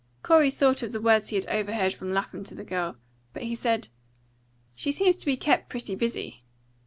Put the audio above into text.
Corey thought of the words he had overheard from Lapham to the girl. But he said, "She seems to be kept pretty busy."